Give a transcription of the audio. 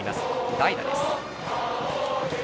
代打です。